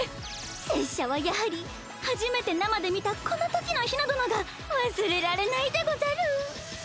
拙者はやはり初めて生で見たこのときのひな殿が忘れられないでござる！